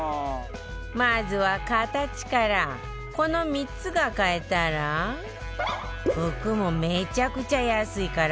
まずは、形からこの３つが買えたら服もめちゃくちゃ安いから＃